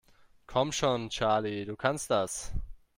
Komm schon, Charlie, du kannst das!